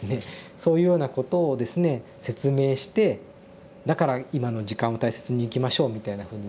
そういうようなことをですね説明して「だから今の時間を大切に生きましょう」みたいなふうにですね